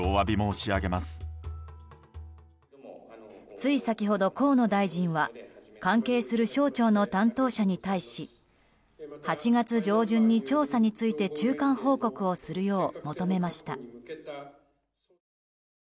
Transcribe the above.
つい先ほど、河野大臣は関係する省庁の担当者に対し８月上旬に調査について中間報告をするよう求めました。